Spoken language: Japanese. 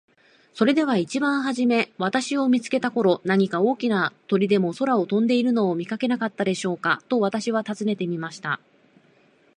「それでは一番はじめ私を見つけた頃、何か大きな鳥でも空を飛んでいるのを見かけなかったでしょうか。」と私は尋ねてみました。